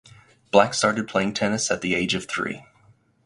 Black started playing tennis at the age of three.